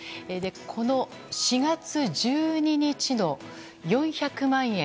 この４月１２日の４００万円